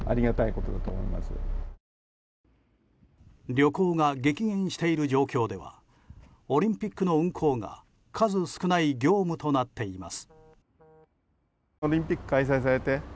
旅行が激減している状況ではオリンピックの運行が数少ない業務となっています。